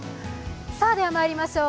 ではまいりましょう。